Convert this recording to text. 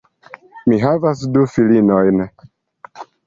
Mi havas du filinojn.